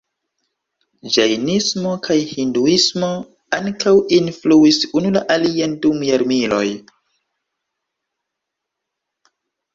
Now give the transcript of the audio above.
Ĝajnismo kaj Hinduismo ankaŭ influis unu la alian dum jarmiloj.